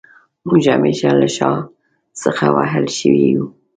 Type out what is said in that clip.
موږ همېشه له شا څخه وهل شوي يو